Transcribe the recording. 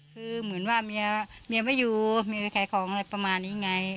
คือเหมือนว่าเมียไม่อยู่เมียไปขายของอะไรประมาณนี้ไง